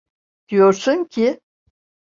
Diyorsun ki…